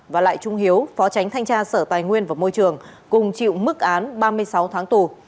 và lại trung hiếu phó tránh thanh tra sở tài nguyên và môi trường cùng chịu mức án ba mươi sáu tháng tù